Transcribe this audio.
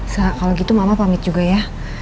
kalau gitu mama pamit juga ya